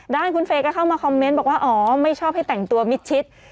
ด้านคุณเฟย์ก็เข้ามาคอมเมนต์บอกว่าอ๋อไม่ชอบให้แต่งตัวมิดชิด